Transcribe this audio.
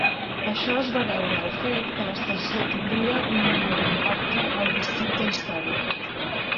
Això es va deure al fet que l'estació tindria un menor impacte al districte històric.